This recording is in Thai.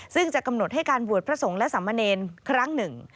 ซึ่งจะกำหนดให้การบวชพระสงฆ์และสามเณรครั้งหนึ่ง